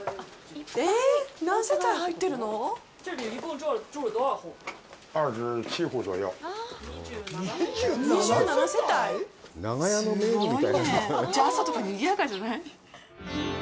じゃあ、朝とか、にぎやかじゃない？